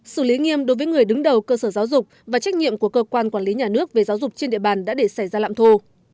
xử lý nghiêm đối với người đứng đầu cơ sở giáo dục và trách nhiệm của cơ quan quản lý nhà nước về giáo dục trên địa bàn đã để xảy ra lạm thô